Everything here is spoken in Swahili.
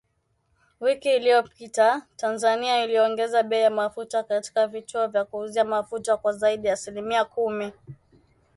Wiki iliyopita, Tanzania iliongeza bei ya mafuta katika vituo vya kuuzia mafuta kwa zaidi ya asilimia kumi